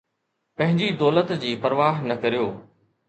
پنهنجي دولت جي پرواهه نه ڪريو